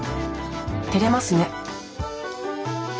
てれますね。